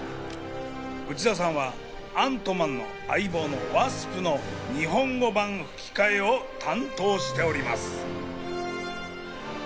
内田さんはアントマンの相棒のワスプの日本語版吹き替えを担当しております。